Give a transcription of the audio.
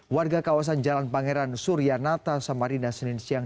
warga kawasan jalan pangeran surya nata samarinda seninsciang